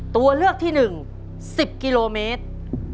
ตัวเลือกที่๑๑๐กิโลเมตร